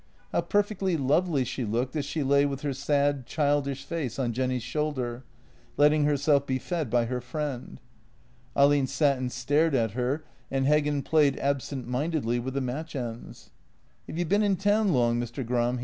How perfectly lovely she looked as she lay with her sad, childish face on Jenny's shoulder, letting herself be fed by her friend. Ahlin sat and stared at her and Heggen played absent mindedly with the match ends. " Have you been in town long, Mr. Gram?